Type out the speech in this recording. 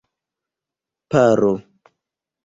paro